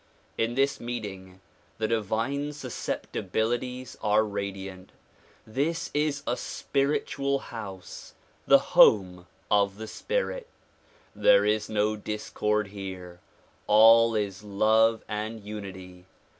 In this meeting, the divine susceptibilities are radiant. This is a spiritual house; the home of the spirit. There is no discord here ; all is love and unity.